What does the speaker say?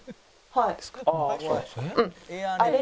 はい。